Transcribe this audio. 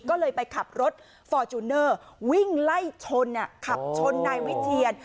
ก็เลยไปขับรถฟอร์จูเนอร์วิ่งไล่ชนขับชนนายวิเทียน